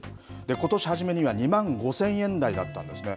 ことし初めには２万５０００円台だったんですね。